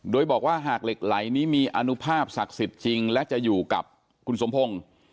โดยบอกว่าหากเหล็กไหลนี้มีอนุภาพศักดิ์สิทธิ์จริงและจะอยู่กับคุณสมพงศ์